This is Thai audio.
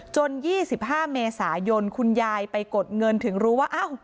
จนยี่สิบห้าเมษายนคุณยายไปกดเงินถึงรู้ว่าอ้าว